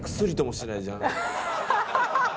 アハハハ！